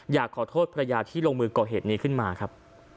อยากขอโทษภรรยาที่ลงมือก่อเหตุนี้ขึ้นมาครับ